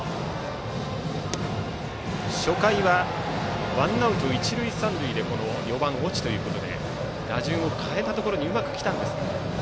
初回はワンアウト一塁三塁で４番、越智ということで打順を変えたところにうまくきたんですが。